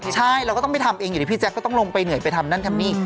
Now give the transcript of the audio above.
ใช่เราก็ต้องไปทำเองอยู่ดิพี่แจ๊คก็ต้องลงไปเหนื่อยไปทำนั่นทำนี่